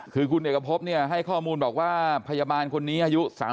คือคุณเอกพบให้ข้อมูลบอกว่าพยาบาลคนนี้อายุ๓๐